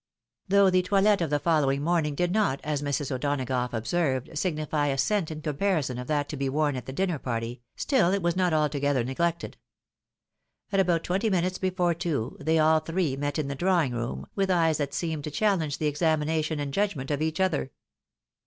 " Though the toilet of the following morning did not, as Mrs. O'Donagough observed, signify a cent in comparison of that to be worn at the dinner party, stO it was not altogether neglected. At about twenty minutes before two, they aU three met in the drawing room, with eyes that seemed to challenge the examination and judgment of each other.